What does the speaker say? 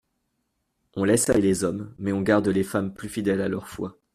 On laisse aller les hommes, mais on garde les femmes plus fidèles à leur foi.